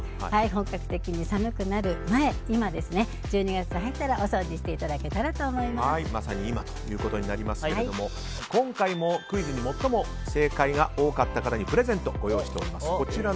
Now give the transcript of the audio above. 本格的に寒くなる前の今１２月入ったら大掃除していただけたらとまさに今ということになりますが今回もクイズに最も正解が多かった方にプレゼントご用意しております。